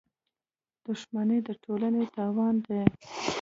• دښمني د ټولنې تاوان دی.